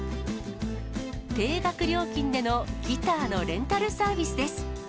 定額料金でのギターのレンタルサービスです。